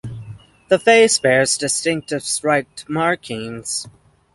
The face bears distinctive striped markings.